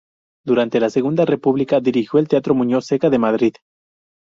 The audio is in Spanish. Durante la Segunda República dirigió el Teatro Muñoz Seca de Madrid.